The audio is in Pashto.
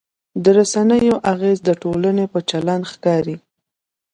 د رسنیو اغېز د ټولنې په چلند ښکاري.